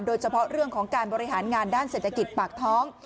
โดยเฉพาะเรื่องของการบริหารงานด้านเศรษฐกิจปากท้อง